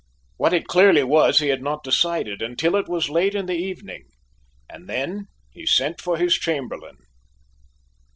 What it clearly was he had not decided until it was late in the evening, and then he sent for his Chamberlain.